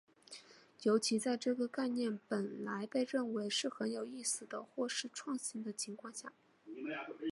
尤其在这个概念本来被认为是很有意思的或是创新的情况下。